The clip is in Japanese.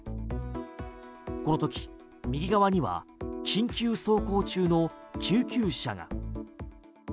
この時、右側には緊急走行中の救急車が。